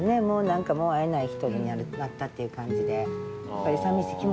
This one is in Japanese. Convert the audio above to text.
なんかもう会えない人になったっていう感じで。